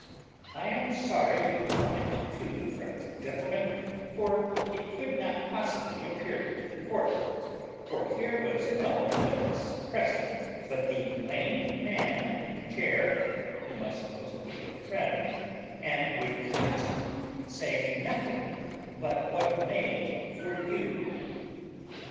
"I am sorry you own it too," cries the gentleman; "for it could not possibly appear to the court; for here was no evidence present but the lame man in the chair, whom I suppose to be your friend, and would consequently say nothing but what made for you."